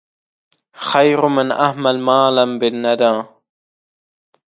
خير من أهمل مالا بالندى